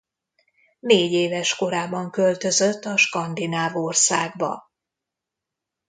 Négyéves korában költözött a skandináv országba.